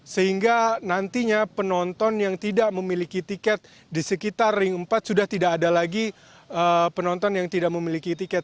sehingga nantinya penonton yang tidak memiliki tiket di sekitar ring empat sudah tidak ada lagi penonton yang tidak memiliki tiket